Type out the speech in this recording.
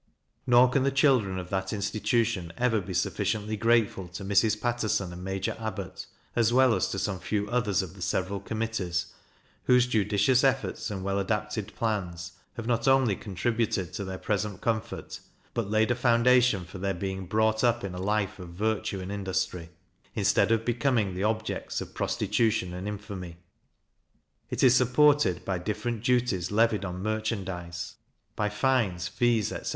Nor can the children of that institution ever be sufficiently grateful to Mrs. Paterson, and Major Abbott, as well as to some few others of the several committees, whose judicious measures and well adapted plans, have not only contributed to their present comfort, but laid a foundation for their being brought up in a life of virtue and industry, instead of becoming the objects of prostitution and infamy. It is supported by different duties levied on merchandize by fines, fees, etc.